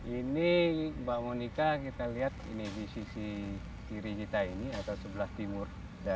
ini mbak monika kita lihat ini di sisi kiri kita ini atau sebelah timur